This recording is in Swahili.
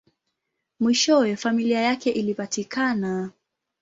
Mwishowe, familia yake ilipatikana.